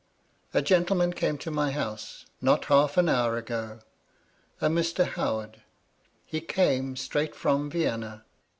" A gentleman came to my house, not half an hour ago — a Mr. Howard. He came straight from Vienna."